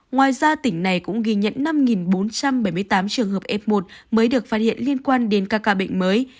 ngoài ra tỉnh này cũng ghi nhận năm bốn trăm bảy mươi tám trường hợp f một mới được phát hiện liên quan đến các ca bệnh mới